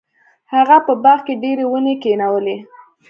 هغه په باغ کې ډیرې ونې کینولې.